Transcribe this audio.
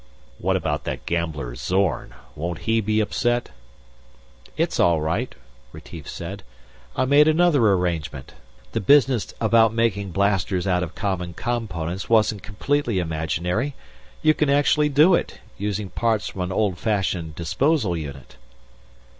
"What about that gambler, Zorn? Won't he be upset?" "It's all right," Retief said, "I made another arrangement. The business about making blasters out of common components wasn't completely imaginary. You can actually do it, using parts from an old fashioned disposal unit."